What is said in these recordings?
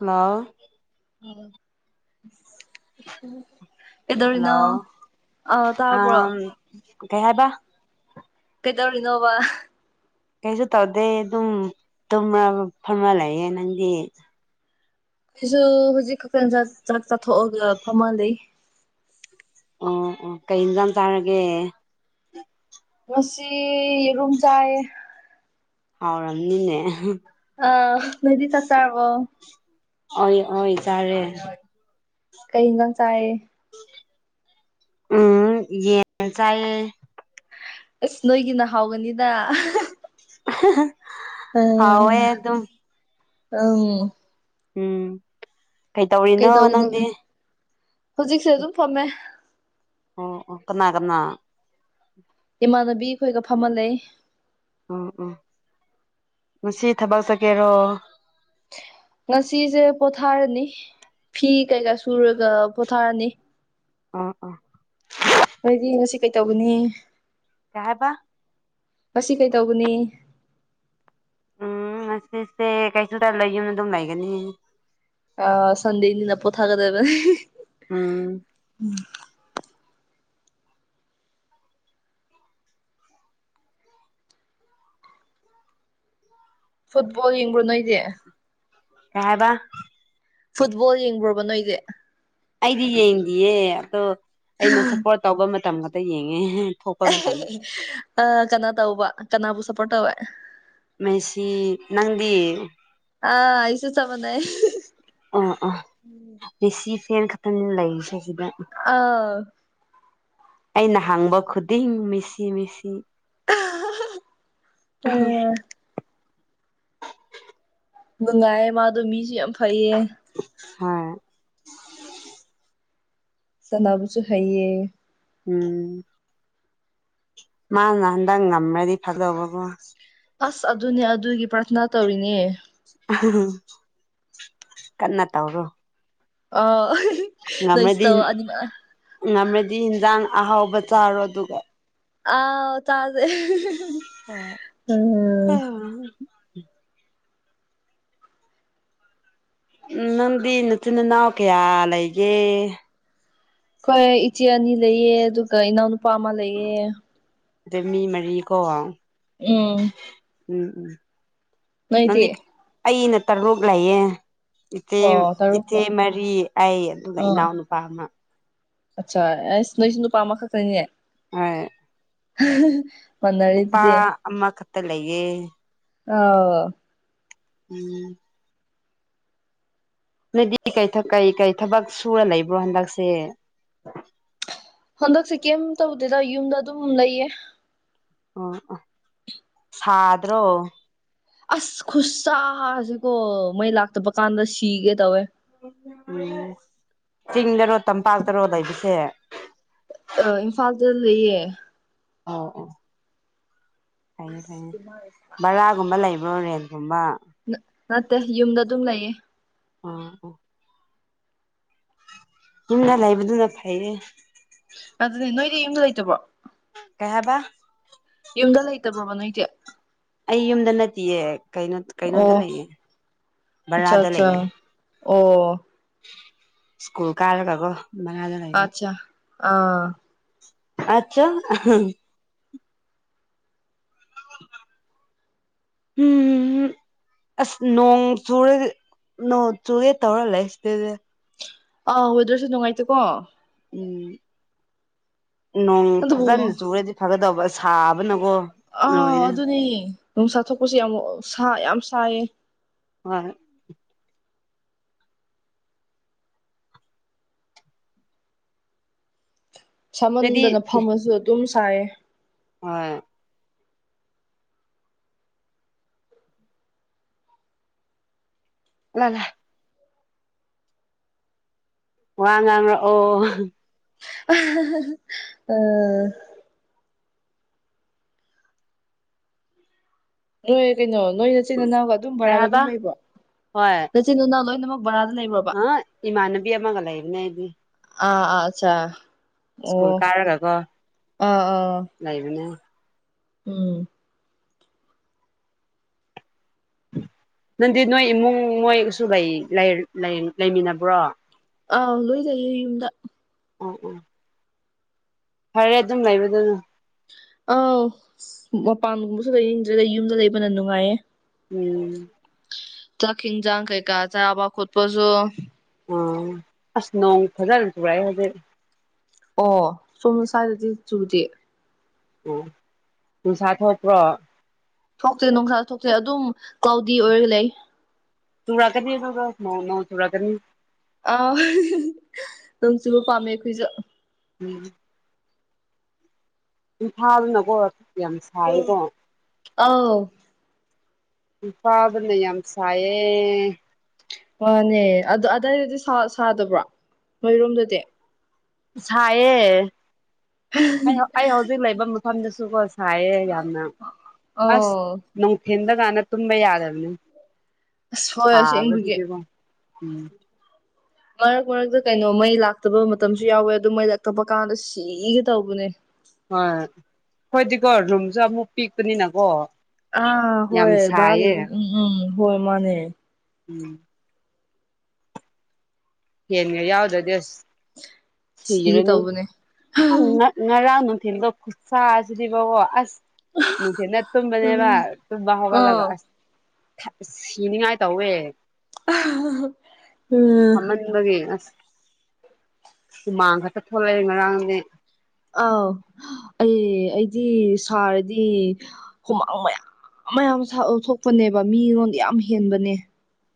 hello [unintelligible] hello ꯀꯩꯗꯧꯔꯤꯅꯣ ꯑꯥ ꯇꯥꯕ꯭ꯔꯣ ꯀꯩ ꯍꯥꯏꯕ ꯀꯩꯗꯧꯔꯤꯅꯣꯕ ꯀꯩꯁꯨ ꯇꯧꯗꯦ ꯑꯗꯨꯝ ꯇꯨꯝꯔꯒ ꯐꯝꯃ ꯂꯩꯌꯦ ꯅꯪꯗꯤ ꯑꯩꯁꯨ ꯍꯧꯖꯤꯛ ꯈꯛꯇꯪ ꯆꯥꯛ ꯆꯥꯊꯣꯛꯑꯒ ꯐꯝꯃ ꯂꯩ ꯑꯣ ꯑꯣ ꯀꯩ ꯏꯟꯖꯥꯡ ꯆꯥꯔꯒꯦ ꯉꯁꯤ ꯌꯦꯔꯨꯝ ꯆꯥꯏꯌꯦ ꯍꯥꯎꯔꯝꯅꯤꯅꯦ ꯑꯥ ꯅꯣꯏꯗꯤ ꯆꯥꯛꯆꯔꯕ꯭ꯔꯣ ꯑꯣꯏ ꯑꯣꯏ ꯆꯥꯔꯦ ꯀꯩ ꯍꯤꯟꯖꯥꯡ ꯆꯥꯌꯦ ꯑꯝ ꯌꯦ ꯆꯥꯌꯦ ꯑꯁ ꯅꯣꯏꯒꯤꯅ ꯍꯥꯎꯒꯅꯤꯗ ꯍꯥ ꯍꯥ ꯑꯥ ꯍꯥꯎꯅꯤ ꯑꯝ ꯀꯩꯗꯧꯒꯅꯤ ꯍꯧꯖꯤꯛꯁꯨ ꯑꯗꯨꯝ ꯐꯝꯃꯦ ꯑꯣ ꯑꯣ ꯀꯅꯥ ꯀꯅꯥ ꯏꯃꯥꯟꯅꯕꯤ ꯑꯩꯈꯣꯏꯒ ꯐꯝꯍꯜꯂꯦ ꯎꯝ ꯎꯝ ꯉꯁꯤ ꯊꯕꯛ ꯆꯠꯀꯦꯔꯣ ꯉꯁꯤꯁꯦ ꯄꯣꯊꯥꯔꯅꯤ ꯐꯤ ꯀꯩꯀꯥ ꯁꯨꯔꯒ ꯄꯣꯊꯥꯔꯅꯤ ꯑꯥ ꯑꯥ ꯅꯣꯏꯗꯤ ꯉꯁꯤ ꯀꯩꯇꯧꯒꯅꯤ ꯀꯍꯥꯏꯕ ꯃꯁꯤ ꯀꯩꯇꯧꯕꯅꯤ ꯑꯁꯤꯁꯦ ꯀꯩꯁꯨ ꯇ ꯂꯩ ꯌꯨꯝꯅ ꯑꯗꯨꯝ ꯂꯩꯒꯅꯤ ꯑ ꯁꯟꯗꯦꯅꯤꯅ ꯄꯣꯊꯥꯒꯗꯕꯅꯦ ꯎꯝ [inaudible] ꯐꯨꯠꯕꯣꯜ ꯌꯦꯡꯕ꯭ꯔꯣ ꯅꯣꯏꯗꯤ ꯀ ꯍꯥꯏꯕ ꯐꯨꯠꯕꯣꯜ ꯌꯦꯡꯕ꯭ꯔꯣꯕ ꯅꯣꯏꯗꯤ ꯑꯩꯗꯤ ꯌꯦꯡꯗꯤꯌꯦ ꯑꯗꯣ ꯑꯩꯅ ꯁꯞꯄꯣꯔꯠ ꯇꯧꯕ ꯃꯇꯝ ꯈꯛꯇ ꯌꯦꯡꯉꯦ ꯊꯣꯛꯄ ꯃꯇꯝ ꯑ ꯀꯅꯥ ꯇꯧꯕ ꯀꯅꯥꯕꯨ ꯁꯞꯄꯣꯔꯠ ꯇꯧꯋꯦ ꯃꯦꯁꯤ ꯅꯪꯗꯤ ꯑ ꯑꯩꯁꯨ ꯆꯃꯅꯦ ꯑ ꯑꯥ ꯅꯤꯁꯤ ꯐꯦꯟ ꯈꯛꯇꯪ ꯂꯩꯔꯤꯁꯦ ꯁꯤꯗ ꯑꯥ ꯑꯩꯅ ꯍꯥꯡꯕ ꯈꯨꯗꯤꯡ ꯃꯤꯁꯤ ꯃꯤꯁꯤ [unintelligible] ꯅꯨꯡꯉꯥꯏꯌꯦ ꯃꯥꯗꯣ ꯃꯤꯁꯨ ꯌꯥꯝ ꯐꯩꯌꯦ ꯍꯣꯏ ꯁꯅꯥꯕꯨꯁꯨ ꯍꯥꯏꯩꯌꯦ ꯎꯝ ꯃꯥ ꯉꯥꯟꯗꯪ ꯉꯝꯃꯦꯗꯤ ꯐꯗꯧꯕꯥꯕꯣ ꯑꯁ ꯑꯗꯨꯅꯦ ꯑꯗꯨꯒꯤ ꯄ꯭ꯔꯊꯅꯥ ꯇꯧꯔꯤꯅꯦ ꯀꯟꯅ ꯇꯧꯔꯣ ꯑꯣ ꯉꯝꯔꯗꯤ ꯉꯝꯃꯗꯤ ꯏꯟꯖꯥꯡ ꯑꯍꯥꯎꯕ ꯆꯥꯔꯣ ꯑꯗꯨꯒ ꯑꯥꯎ ꯆꯥꯖꯦ ꯍꯣꯏ [unintelligible] ꯎꯝ ꯅꯪꯗꯤ ꯅꯆꯤꯟꯅꯥꯎ ꯀꯌꯥ ꯂꯩꯒꯦ ꯍꯣꯏ ꯏꯆꯦ ꯑꯅꯤ ꯂꯩꯌꯦ ꯑꯗꯨꯒ ꯏꯅꯥꯎꯅꯨꯄꯥ ꯑꯃ ꯂꯩꯌꯦ ꯑꯗꯩ ꯃꯤ ꯃꯔꯤꯀꯣ ꯎꯝ ꯎꯝ ꯅꯣꯏꯗꯤ ꯅꯪꯗꯤ ꯑꯩꯅ ꯇꯔꯣꯛ ꯂꯩꯌꯦ ꯏꯇꯦꯝ ꯑꯣ ꯇꯔꯨꯛ ꯏꯆꯦ ꯃꯔꯤ ꯑꯩ ꯑꯗꯨꯒ ꯏꯅꯥꯎꯅꯨꯄꯥ ꯑꯃ ꯑꯆꯥ ꯑꯦꯁ ꯅꯣꯏꯁꯤꯡ ꯅꯨꯄꯥ ꯑꯃ ꯈꯛ ꯈꯪꯅꯤꯅꯦ ꯍꯣꯏ [unintelligible] ꯅꯨꯄꯥ ꯑꯗꯨꯗꯤ ꯑꯃꯈꯛꯇ ꯂꯩꯌꯦ ꯑꯣ ꯎꯝ ꯅꯣꯏꯗꯤ ꯀꯩ ꯊ ꯀꯩꯀꯩ ꯊꯕꯛ ꯁꯨꯔ ꯂꯩꯕ꯭ꯔꯣ ꯍꯟꯗꯛꯁꯦ ꯍꯟꯗꯛꯁꯦ ꯀꯩꯝ ꯇꯧꯗꯦꯗ ꯌꯨꯝꯗ ꯑꯗꯨꯝ ꯂꯩꯌꯦ ꯑꯣ ꯑꯣ ꯁꯥꯗ꯭ꯔꯣ ꯑꯁ ꯈꯨꯠ ꯁꯥꯁꯤꯀꯣ ꯃꯩ ꯂꯥꯛꯇꯕ ꯀꯥꯟꯗ ꯁꯤꯒꯦ ꯇꯧꯋꯦ ꯎꯝ ꯆꯤꯡꯗꯔꯣ ꯇꯝꯄꯥꯛꯇꯔꯣ ꯂꯩꯕꯁꯦ ꯑ ꯏꯝꯐꯥꯜꯗ ꯂꯩꯌꯦ ꯑꯣ ꯑꯣ ꯐꯌꯦ ꯐꯌꯦ ꯕꯔꯥ ꯒꯨꯝꯕ ꯂꯩꯕ꯭ꯔꯣ ꯔꯦꯜꯒꯨꯝꯕ ꯅꯠ ꯅꯠꯇꯦ ꯌꯨꯝꯗ ꯑꯗꯨꯝ ꯂꯩꯌꯦ ꯑꯣ ꯑꯣ ꯌꯨꯝꯗ ꯂꯩꯥꯏꯕꯨꯗꯨꯅ ꯐꯩꯌꯦ ꯑꯗꯨꯅꯦ ꯅꯣꯏꯗꯤ ꯌꯨꯝꯗ ꯂꯩꯇꯕꯣ ꯀꯩ ꯍꯥꯏꯕ ꯌꯨꯝꯗ ꯂꯩꯇꯕ꯭ꯔꯣꯕ ꯅꯣꯏꯖꯦ ꯑꯩ ꯌꯨꯝꯗ ꯅꯠꯇꯦꯌꯦ ꯀꯩꯅꯣ ꯀꯩꯅꯣꯗ ꯑꯣ ꯂꯩꯌꯦ ꯑꯠꯆꯥ ꯕꯔꯥꯗ ꯑꯠꯆꯥ ꯂꯩꯌꯦ ꯑꯣ ꯁ꯭ꯀꯨꯜ ꯀꯥꯔꯒꯒꯣ ꯕꯔꯥꯗ ꯑꯆꯥ ꯑꯥ ꯑꯆꯥ ꯑ [unintelligible] ꯍꯨꯝꯍ ꯑꯁ ꯅꯣꯡ ꯆꯨꯔꯒ ꯅꯣꯡ ꯆꯨꯒꯦ ꯇꯧꯔ ꯂꯩ ꯁꯤꯗꯩꯗ ꯑꯥ ꯋꯦꯗ꯭ꯔꯁꯦ ꯅꯨꯡꯉꯥꯏꯇꯦꯀꯣ ꯎꯝ ꯅꯣꯡ ꯑꯗꯨꯕꯨ ꯐꯖꯥꯅ ꯆꯨꯔꯗꯤ ꯐꯒꯗꯧꯕ ꯁꯥꯕꯅꯒꯣ ꯑꯥ ꯑꯗꯨꯅꯦ ꯅꯨꯡꯁꯥ ꯊꯣꯛꯄꯁꯦ ꯌꯥꯝ ꯁꯥ ꯌꯥꯝ ꯁꯥꯏꯌꯦ ꯍꯣꯏ ꯅꯣꯏꯗꯤ ꯁꯃꯟꯗꯅ ꯐꯝꯃꯁꯨ ꯑꯗꯨꯝ ꯁꯥꯏꯌꯦ ꯍꯣꯏ [unintelligible] ꯋꯥ ꯉꯥꯡꯔꯛ ꯑꯣ ꯑꯥ ꯅꯣꯏ ꯀꯩꯅꯣ ꯅꯣꯏ ꯅꯆꯤꯟ ꯅꯅꯥꯎ ꯑꯗꯨꯝ ꯀꯩ ꯕꯔꯥꯗ ꯑꯗꯨꯝ ꯍꯥꯏꯕ ꯂꯩꯕ꯭ꯔꯣ ꯆꯤꯟ ꯅꯅꯥꯎ ꯂꯣꯏ ꯅꯃꯛ ꯕꯔꯥꯗ ꯂꯩꯕ꯭ꯔꯣ ꯍꯥ ꯏꯃꯟꯅꯕꯤ ꯑꯃꯒ ꯂꯩꯕꯅꯦ ꯑꯩꯗꯤ ꯑꯥ ꯑꯆꯥ ꯑꯣ ꯁ꯭ꯀꯨꯜ ꯀꯥꯔꯒꯀꯣ ꯑꯥ ꯑꯥ ꯂꯩꯕꯅꯦ ꯑꯥ ꯅꯪꯗꯤ ꯅꯣꯏ ꯏꯃꯨꯡ ꯃꯣꯏꯒꯁꯨ ꯂꯩ ꯂꯩ ꯂꯩꯃꯤꯟꯅꯕ꯭ꯔꯣ ꯑꯥꯎ ꯂꯣꯏ ꯂꯩꯌꯦ ꯌꯨꯝꯗ ꯑꯥ ꯑꯥ ꯐꯔꯦ ꯑꯗꯨꯝ ꯂꯩꯕꯗꯨꯅ ꯑꯥꯎ ꯃꯄꯥꯟꯒꯨꯝꯕꯁꯨ ꯂꯩꯅꯤꯡꯗ꯭ꯔꯦ ꯌꯨꯝꯗ ꯂꯩꯕꯅ ꯅꯨꯡꯉꯥꯏꯌꯦ ꯎꯝ ꯆꯥꯛ ꯍꯤꯟꯖꯥꯡ ꯀꯩ ꯀ ꯆꯥꯕ ꯈꯣꯠꯄꯁꯨ ꯑ ꯑꯁ ꯅꯣꯡ ꯐꯖꯅ ꯆꯨꯔꯛꯑꯦ ꯍꯧꯖꯤꯛ ꯑꯣ ꯁꯨꯝ ꯁꯏꯗꯗꯤ ꯆꯨꯗꯦ ꯑꯣ ꯅꯨꯡꯁꯥ ꯊꯣꯛꯄ꯭ꯔꯣ ꯊꯣꯛꯇꯦ ꯅꯨꯡꯁꯥ ꯊꯣꯛꯇꯦ ꯑꯗꯨꯝ ꯀ꯭ꯂꯥꯎꯗꯤ ꯑꯣꯏꯔ ꯂꯩ ꯇꯨꯔꯛꯀꯅꯤ ꯑꯗꯨꯒ ꯅ ꯅꯣꯡ ꯆꯨꯔꯛꯀꯅꯤ ꯑ ꯅꯣꯡ ꯆꯨꯕ ꯄꯥꯝꯃꯦ ꯑꯩꯈꯣꯏꯁꯨ [unintelligible] ꯏꯝꯐꯥꯜꯅꯤꯅꯀꯣ ꯌꯥꯝ ꯁꯥꯏꯌꯦꯀꯣ ꯑꯥꯎ ꯏꯝꯐꯂꯗꯅ ꯌꯥꯝ ꯁꯥꯌꯦ ꯃꯥꯅꯦ ꯑꯗꯣ ꯑꯗꯥꯏꯗꯗꯤ ꯁꯥ ꯁꯥꯗꯕ꯭ꯔꯣ ꯅꯣꯏꯔꯣꯝꯗꯗꯤ ꯁꯥꯏꯌꯦ ꯑꯩ ꯍꯧ ꯑꯩ ꯍꯧꯖꯤꯛ ꯂꯩꯕ ꯃꯐꯝꯗꯁꯨꯀꯣ ꯁꯥꯏꯌꯦ ꯌꯥꯝꯅ ꯑꯁ ꯑꯧ ꯅꯨꯡꯊꯤꯟꯗ ꯀꯥꯟꯅ ꯇꯨꯝꯕ ꯌꯥꯗꯕꯅꯦ ꯑꯁ ꯍꯣꯏ ꯑꯁꯦꯡꯕꯒꯤ ꯁꯥꯕꯁꯤꯗꯤꯀꯣ ꯎꯝ ꯃꯔꯛ ꯃꯔꯛꯇ ꯀꯩꯅꯣ ꯃꯩ ꯂꯥꯛꯇꯕ ꯃꯇꯝꯁꯨ ꯌꯥꯎꯋꯦ ꯑꯗꯨ ꯃꯩ ꯂꯛꯇꯕ ꯀꯥꯟꯗ ꯁꯤꯒꯦ ꯇꯧꯕꯅꯦ ꯍꯣꯏ ꯈꯣꯏꯗꯤꯀꯣ ꯔꯨꯝꯁꯨ ꯑꯃꯨꯛ ꯄꯤꯛꯄꯅꯤꯅꯀꯣ ꯑꯥ ꯌꯥꯝ ꯍꯣꯏ ꯕꯔꯥ ꯁꯥꯏꯌꯦ ꯂꯩꯕ ꯎꯝ ꯎꯝ ꯍꯣꯏ ꯃꯥꯅꯦ ꯎꯝ ꯍꯦꯟ ꯒꯥ ꯌꯥꯑꯣꯗꯔꯥ ꯗꯤꯁ ꯁꯤꯒꯦ ꯁꯤꯔꯅꯤ ꯇꯧꯕꯅꯦ ꯑꯥ ꯉꯥ ꯉꯔꯥꯡ ꯅꯨꯡꯊꯤꯟ ꯗꯣ ꯈꯨꯠ ꯁꯥꯥꯁꯤꯗꯤꯕ ꯀꯣ ꯑꯁ ꯅꯨꯡꯊꯤꯟꯗ ꯇꯨꯝꯕꯅꯦꯕ ꯎꯝ ꯇꯨꯝꯕꯥ ꯇꯨꯝꯕꯥꯍꯧꯒꯠꯂꯒ ꯑꯥ ꯑꯁ ꯁꯤꯅꯤꯉꯥꯏ ꯇꯧꯋꯦ [unintelligible] ꯎꯝ [unintelligible] [unintelligible] ꯎꯃꯥꯡ ꯈꯥꯛꯇꯥ ꯊꯣꯛꯂꯛꯑꯦ ꯉꯔꯥꯡꯗꯤ ꯑꯥꯎ ꯑꯩ ꯑꯩꯗꯤ ꯁꯥꯔꯗꯤ ꯍꯨꯃꯥꯡ ꯃꯌꯥꯝ ꯃꯌꯥꯝ ꯊꯣꯛꯄꯅꯦꯕꯥ ꯃꯤꯉꯣꯟꯗ ꯌꯥꯝ ꯍꯦꯟꯕꯅꯦ [inaudible]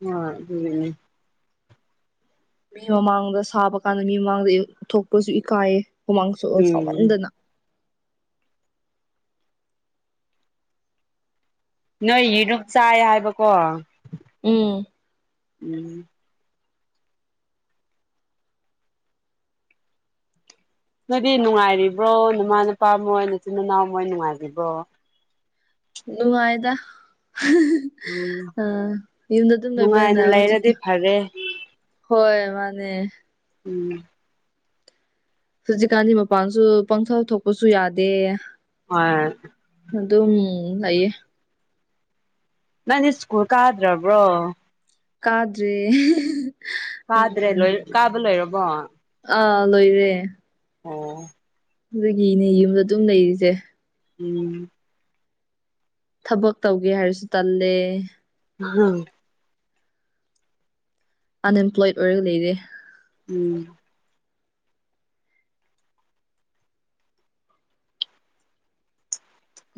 ꯌꯥꯎꯔꯛ ꯑꯗꯨꯅꯦ [unintelligible] ꯃꯤ ꯃꯃꯥꯡꯗꯥ ꯁꯥꯕ ꯀꯥꯟꯗꯥ ꯃꯤ ꯃꯃꯥꯡꯗꯥ ꯑꯦ ꯊꯣꯛꯄꯁꯨ ꯏꯀꯥꯏꯌꯦ ꯍꯨꯃꯥꯡꯁꯨ ꯎꯝ ꯁꯥꯎꯃꯟꯗꯥꯅ ꯅꯣꯏ ꯒꯤꯗꯣ ꯆꯥꯏ ꯍꯥꯏꯕꯀꯣ ꯎꯝ ꯎꯝ ꯅꯣꯏꯗꯤ ꯅꯨꯡꯉꯥꯏꯔꯤꯕ꯭ꯔꯣ ꯅꯃꯥ ꯅꯄꯥ ꯃꯣꯏ ꯅꯆꯤꯟ ꯅꯅꯥꯎ ꯃꯣꯏ ꯅꯨꯡꯉꯥꯏꯕꯤꯕ꯭ꯔꯣ ꯅꯨꯡꯉꯥꯏꯗ ꯎꯝ ꯑꯥ ꯌꯨꯝꯗꯥ ꯗꯨꯝ ꯂꯩꯕꯅ ꯅꯨꯡꯉꯥꯏꯅ ꯍꯧꯖꯤꯛꯇꯣ ꯂꯩꯔꯗꯤ ꯐꯔꯦ ꯍꯣꯏ ꯃꯥꯅꯦ ꯎꯝ ꯍꯧꯖꯤꯛꯀꯥꯟꯗꯤ ꯃꯄꯥꯟꯁꯨ ꯄꯪꯊꯣꯛ ꯊꯣꯛꯄꯁꯨ ꯌꯥꯗꯦ ꯍꯣꯏ ꯑꯗꯨꯝ ꯂꯩꯌꯦ ꯅꯪꯗꯤ ꯁꯀ꯭ꯨꯜ ꯀꯥꯗ꯭ꯔꯕ꯭ꯔꯣ ꯀꯥꯗ꯭ꯔꯦ ꯀꯥꯗ꯭ꯔꯦ ꯂꯣꯏ ꯀꯥꯕ ꯂꯣꯏꯔꯕꯣ [unintelligible] ꯑꯥ ꯂꯣꯏꯔꯦ ꯑꯣ ꯑꯗꯨꯒꯤꯅꯦ ꯌꯨꯝꯗꯥ ꯑꯗꯨꯝ ꯂꯩꯔꯤꯁꯦ ꯎꯝ ꯊꯕꯛ ꯇꯧꯒꯦ ꯍꯥꯏꯔꯁꯨ ꯇꯜꯂꯦ [unintelligible] ꯑꯟꯏꯝꯄꯂꯣꯏꯠ ꯑꯣꯏꯔꯒ ꯂꯩꯔꯦ ꯎꯝ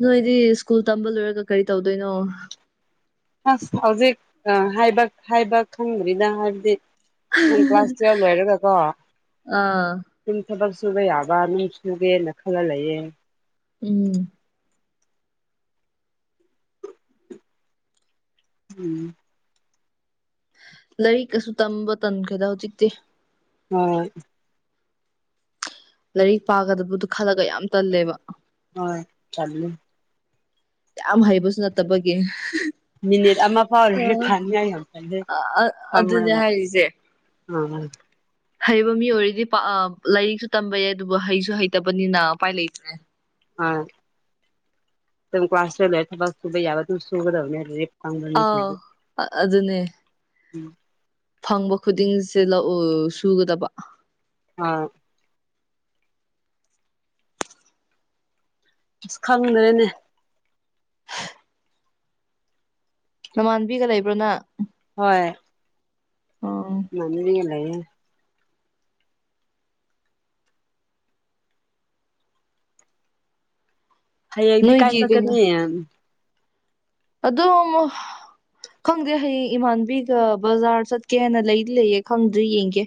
ꯅꯣꯏꯗꯤ ꯁ꯭ꯀꯨꯜ ꯇꯝꯕ ꯂꯣꯏꯔꯒ ꯀꯔꯤ ꯇꯧꯗꯣꯏꯅꯣ ꯑꯁ ꯍꯧꯖꯤꯛ ꯑꯥ ꯍꯥꯏꯕ ꯍꯥꯏꯕ ꯈꯪꯗꯔꯤꯗꯥ ꯍꯥꯏꯕꯗꯤ ꯅꯪ ꯀ꯭ꯂꯥꯁ ꯇꯨꯋꯦꯜ ꯂꯣꯏꯔꯥꯒꯀꯣ ꯑꯥ ꯑꯗꯨꯝ ꯊꯕꯛ ꯁꯨꯕ ꯌꯥꯕ ꯃꯤ ꯁꯨꯒꯦꯅ ꯈꯜꯂꯥ ꯂꯩꯌꯦ ꯎꯝ ꯎꯝ ꯂꯥꯏꯔꯤꯛ ꯀꯥꯁꯨ ꯇꯝꯕ ꯇꯟꯈꯔꯦꯗꯥ ꯍꯧꯖꯤꯛꯇꯤ ꯍꯣꯏ ꯂꯥꯏꯔꯤꯛ ꯄꯥꯒꯗꯕꯗꯨ ꯈꯜꯂꯥꯒ ꯌꯥꯝ ꯇꯜꯂꯦꯕ ꯍꯣꯏ ꯇꯜꯂꯦ ꯌꯥꯝ ꯍꯩꯕꯁꯨ ꯅꯠꯇꯕꯒꯤ ꯃꯤꯅꯤꯠ ꯑꯃꯥ ꯐꯥꯎ ꯂꯥꯏꯔꯤꯛ ꯄꯥꯅꯤꯉꯥꯏ ꯌꯥꯝ ꯇꯜꯂꯦ ꯑꯗꯨꯅꯦ ꯐꯝꯔꯥꯒ ꯍꯥꯏꯔꯤꯁꯦ ꯑꯥ ꯍꯩꯕ ꯃꯤ ꯑꯣꯏꯔꯗꯤ ꯄꯥ ꯑꯥ ꯂꯥꯏꯔꯤꯛꯁꯨ ꯇꯝꯕ ꯌꯥꯏ ꯑꯗꯨꯕꯨ ꯍꯩꯁꯨ ꯍꯩꯇꯕꯅꯤꯅ ꯎꯄꯥꯏ ꯂꯩꯇ꯭ꯔꯦ ꯑꯥ ꯀꯂꯥꯁ ꯇꯨꯋꯦꯞ ꯂꯣꯏꯔꯒ ꯊꯕꯛ ꯁꯨꯕ ꯌꯥꯕ ꯑꯗꯨꯝ ꯁꯨꯒꯗꯕꯅꯦ ꯑꯥꯎ ꯑ- ꯑꯗꯨꯅꯦ [unintelligible] ꯐꯪꯕ ꯈꯨꯗꯤꯡꯁꯦ ꯂꯧ ꯁꯨꯒꯥꯗꯕ ꯑꯥ ꯑꯁ ꯈꯪꯗ꯭ꯔꯦꯅꯦ [unintelligible] ꯅꯃꯥꯟꯕꯤꯒꯥ ꯂꯩꯕ꯭ꯔꯣ ꯅꯪ ꯍꯣꯏ ꯑꯣ ꯏꯃꯥꯟꯅꯕꯤꯒ ꯂꯩꯌꯦ ꯍꯩꯌꯦꯡꯗꯤ ꯀꯥꯏ ꯅꯣꯏꯒꯤ ꯀꯩꯅꯣ ꯆꯠꯀꯅꯤ ꯑꯗꯨꯝ ꯈꯪꯗꯦ ꯍꯌꯦꯡ ꯏꯃꯥꯟꯕꯤꯒ ꯕꯖꯥꯔ ꯆꯠꯀꯦꯅ ꯂꯩꯗꯤ ꯂꯩꯌꯦ ꯈꯪꯗ꯭ꯔꯤ ꯌꯦꯡꯒꯦ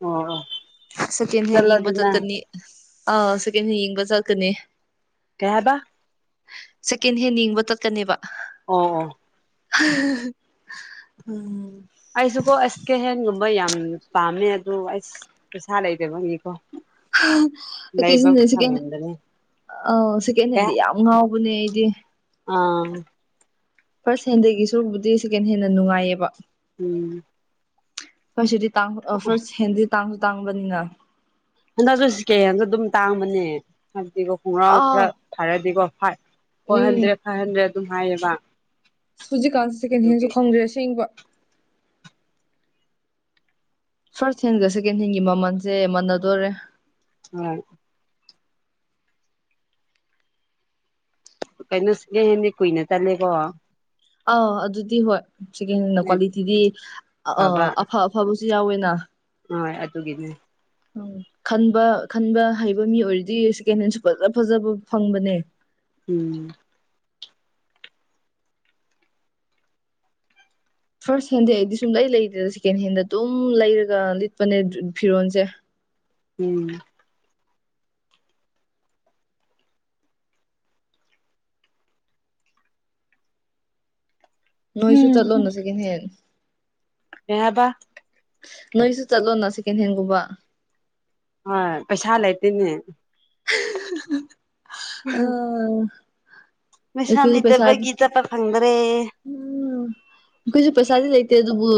ꯑꯣ ꯑꯣ ꯁꯦꯀꯦꯟ ꯍꯦꯟ ꯌꯦꯡꯕ ꯆꯠꯂꯣꯗꯅ ꯆꯠꯀꯅꯤ ꯑ ꯁꯦꯀꯦꯟ ꯍꯦꯟ ꯌꯦꯡꯕ ꯆꯠꯀꯅꯤ ꯀꯩ ꯍꯥꯏꯕ ꯁꯦꯀꯦꯟ ꯍꯦꯟ ꯌꯦꯡꯕ ꯆꯠꯀꯅꯦꯕ ꯑꯣ [unintelligible] ꯎꯝ ꯑꯩꯁꯨ ꯀꯣ ꯑꯁ ꯀꯦꯍꯦꯟꯒꯨꯝꯕ ꯌꯥꯝ ꯄꯥꯝꯃꯦ ꯑꯗꯣ ꯑꯩꯁ ꯄꯩꯁꯥ ꯂꯩꯗꯕꯒꯤꯀꯣ [unintelligible] ꯂꯩꯕ ꯐꯪꯗꯔꯦ ꯑꯧ ꯁꯦꯀꯦꯟ ꯍꯦꯟꯗꯤ ꯌꯥꯝ ꯉꯥꯎꯕꯅꯦ ꯑꯩꯗꯤ ꯑꯥ ꯐꯥꯔꯁ ꯍꯦꯟꯗꯒꯤꯁꯨꯕꯨꯗꯤ ꯁꯦꯀꯦꯟ ꯍꯦꯟꯅ ꯅꯨꯡꯉꯥꯏꯌꯦꯕ ꯎꯝ ꯐꯣꯏ ꯁꯤꯗꯤ ꯇꯥꯡ ꯑꯥ ꯐꯥꯔꯁ ꯍꯦꯟꯗꯤ ꯇꯥꯡꯁꯨ ꯇꯥꯡꯕꯅꯤꯅ ꯍꯟꯗꯛꯁꯨ ꯁꯤꯀꯦ ꯍꯦꯟꯁꯨ ꯑꯗꯨꯝ ꯇꯥꯡꯕꯅꯦ ꯍꯥꯏꯕꯗꯤꯀꯣ ꯈꯣꯡꯒ꯭ꯔꯥꯎ ꯈꯔ ꯑꯥ ꯊꯥꯔꯗꯤꯀꯣ five four um hundred five hundred ꯑꯗꯨꯝ ꯍꯥꯏꯌꯦꯕ ꯍꯧꯖꯤꯛꯀꯥꯟꯁ ꯁꯦꯀꯦꯟ ꯑꯗꯨꯒꯤ ꯍꯦꯟꯁꯨ ꯈꯪꯗ꯭ꯔꯦ ꯑꯁꯦꯡꯕ ꯐꯥꯔꯁ ꯍꯦꯟꯒ ꯁꯦꯀꯦꯟ ꯍꯦꯟꯒꯤ ꯃꯃꯟꯁꯦ ꯃꯥꯟꯅꯗꯣꯔꯦ [unintelligible] ꯀꯩꯅꯣ ꯁꯤꯀꯦꯟ ꯍꯦꯟꯗꯤ ꯀꯨꯏꯅ ꯆꯠꯂꯦꯀꯣ ꯑꯥ ꯑꯗꯨꯗꯤ ꯍꯣꯏ ꯁꯦꯀꯦꯟ ꯍꯦꯟꯅ ꯀ꯭ꯋꯥꯂꯤꯇꯤꯗꯤ ꯑ ꯐꯕ ꯑꯐ ꯑꯐꯕꯁꯨ ꯌꯥꯎꯋꯦꯅ ꯍꯣꯏ ꯑꯗꯨꯒꯤꯅꯦ ꯎꯝ ꯈꯟꯕ ꯈꯟꯕ ꯍꯩꯕ ꯃꯤ ꯑꯣꯏꯔꯗꯤ ꯁꯦꯀꯦꯟ ꯍꯦꯟꯁꯨ ꯐꯖ ꯐꯖꯕ ꯐꯪꯕꯅꯦ ꯎꯝ ꯐꯥꯔꯁ ꯍꯦꯟꯗꯤ ꯑꯩꯗꯤ ꯁꯨꯟ ꯂꯩ ꯂꯩꯗꯦꯗ ꯁꯦꯀꯦꯟ ꯍꯦꯟꯗ ꯑꯗꯨꯝ ꯂꯩꯔꯒ ꯂꯤꯠꯄꯅꯦ ꯐꯤꯔꯣꯟꯁꯦ ꯎꯝ ꯅꯣꯏꯁꯨ ꯆꯠꯂꯣꯅ ꯁꯦꯀꯦꯟ ꯍꯦꯟ ꯀꯦ ꯍꯥꯏꯕ ꯅꯣꯏꯁꯨ ꯆꯠꯂꯣꯅ ꯁꯦꯀꯦꯟ ꯍꯦꯟ ꯒꯨꯕ ꯍꯥꯏ ꯄꯩꯁꯥ ꯂꯩꯇꯦꯅꯦ ꯑ ꯄꯩꯁꯥ ꯂꯩꯇꯕꯒꯤ ꯆꯠꯄ ꯐꯪꯗ꯭ꯔꯦ ꯎꯝ ꯑꯦꯈꯣꯏꯁꯨ ꯄꯩꯁꯥꯗꯤ ꯂꯩꯇꯦ ꯑꯗꯨꯕꯨ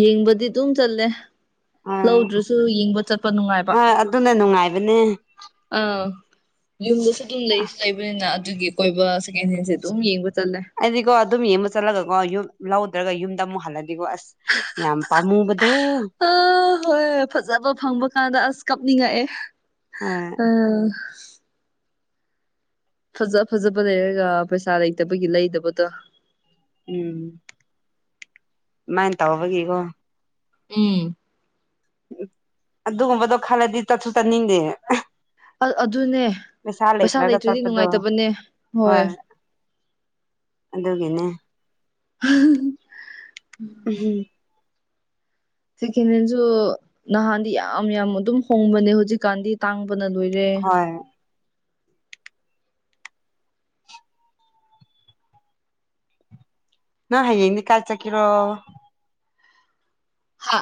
ꯌꯦꯡꯕꯗꯤ ꯗꯨꯝ ꯆꯠꯂꯦꯍ ꯑꯥ ꯂꯧꯗ꯭ꯔꯁꯨ ꯌꯦꯡꯕ ꯆꯠꯄ ꯅꯨꯡꯉꯥꯏꯕ ꯍꯣꯏ ꯑꯗꯨꯅ ꯅꯨꯡꯉꯥꯏꯕꯅꯦ ꯑꯥꯎ ꯌꯨꯝꯗꯨꯁꯨ ꯗꯨꯝ ꯂꯩꯁ ꯂꯩꯕꯅꯤꯅ ꯑꯗꯨꯒꯤ ꯀꯣꯏꯕ ꯁꯦꯀꯦꯟ ꯍꯦꯟꯁꯦ ꯑꯗꯨꯝ ꯌꯦꯡꯕ ꯆꯠꯂꯦ ꯑꯩꯗꯤꯀꯣ ꯑꯗꯨꯝ ꯌꯦꯡꯕ ꯆꯠꯂꯒꯀꯣ ꯌꯨꯝ ꯂꯧꯗ꯭ꯔꯒ ꯌꯨꯝꯗ ꯑꯃꯨꯛ ꯍꯜꯂꯗꯤꯀꯣ ꯑꯁ ꯌꯥꯝ ꯄꯥꯃꯨꯕꯗꯣ ꯑ ꯍꯣꯏ ꯐꯖꯕ ꯐꯪꯕ ꯀꯥꯟꯗ ꯑꯁ ꯀꯞꯅꯤꯡꯉꯛꯑꯦ ꯑ ꯐꯖ ꯐꯖꯕ ꯂꯩꯔꯒ ꯄꯩꯁꯥ ꯂꯩꯇꯕꯒꯤ ꯂꯩꯗꯕꯗꯣ ꯎꯝ ꯃꯥꯏꯅ ꯇꯧꯕꯒꯤꯀꯣ ꯎꯝ ꯑꯗꯨꯒꯨꯝꯕꯗꯣ ꯈꯜꯂꯗꯤ ꯇꯠꯁꯨ ꯇꯠꯅꯤꯡꯗꯦ ꯑ ꯑꯗꯨꯅꯦ ꯄꯦꯁꯥ ꯂꯩꯇ꯭ꯔꯒ ꯂꯩꯇ꯭ꯔꯗꯤ ꯆꯠꯄꯗꯣ ꯅꯨꯡꯉꯥꯏꯇꯕꯅꯦ ꯍꯣꯏ ꯑꯗꯨꯒꯤꯅꯦ ꯎꯝꯍꯨ ꯁꯤꯀꯦꯟ ꯍꯦꯟꯁꯨ ꯅꯍꯥꯟꯗꯤ ꯌꯥꯝ ꯌꯥꯝ ꯑꯗꯨꯝ ꯍꯣꯡꯕꯅꯦ ꯍꯧꯖꯤꯛꯀꯥꯟꯗꯤ ꯇꯥꯡꯕꯅ ꯅꯨꯏꯔꯦ ꯍꯣꯏ ꯅ ꯍꯌꯦꯡꯅꯤ ꯀꯥꯏ ꯆꯠꯀꯦꯔꯣ ꯍꯥ